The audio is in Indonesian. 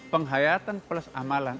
penghayatan plus amalan